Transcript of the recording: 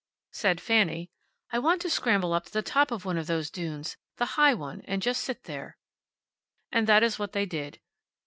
Said Fanny, "I want to scramble up to the top of one of those dunes the high one and just sit there." And that is what they did.